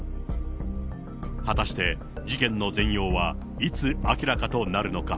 果たして、事件の全容はいつ明らかとなるのか。